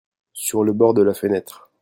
sur le bord de la fenêtre.